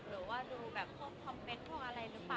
หรือว่าดูแบบพวกคอมเมนต์พวกอะไรหรือเปล่า